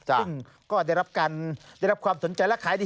ซึ่งก็ได้รับความสนใจและขายดี